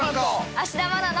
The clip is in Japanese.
芦田愛菜の。